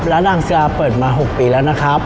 ร้านนางเสือเปิดมา๖ปีแล้วนะครับ